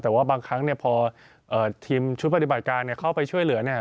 แต่ว่าบางครั้งพอทีมชุดปฏิบัติการเข้าไปช่วยเหลือ